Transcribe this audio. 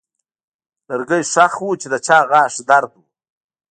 لرګی ښخ و چې د چا غاښ درد و.